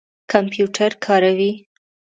کمپیوټر کاروئ؟